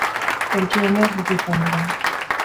Tentsio uneak bizi izan dira.